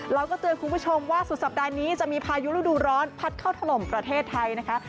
แล้วก็เตือนคุณผู้ชมว่าสุดสัปดาห์นี้จะมีพายุฤดูร้อนพัดเข้าถล่มประเทศไทยนะคะ